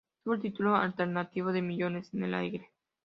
Tuvo el título alternativo de Millones en el aire.